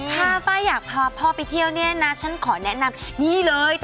ถ้าป้าอยากพาพ่อไปเที่ยวเนี่ยนะฉันขอแนะนำนี่เลย